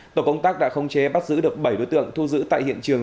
tổ công tác đã không chế bắt giữ được bảy đối tượng thu giữ tại hiện trường